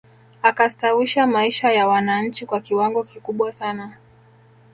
Akastawisha maisha ya wananchi kwa kiwango kikubwa sana